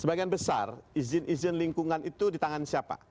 sebagian besar izin izin lingkungan itu ditangan siapa